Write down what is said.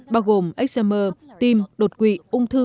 bao gồm eczema tim đột quỵ ung thư